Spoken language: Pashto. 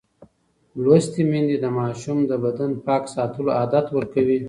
لوستې میندې د ماشومانو د بدن پاک ساتلو عادت ورکوي.